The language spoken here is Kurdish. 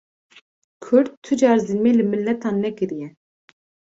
Kurd tu car zilmê li miletan nekiriye